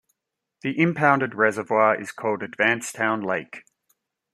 The impounded reservoir is called Advancetown Lake.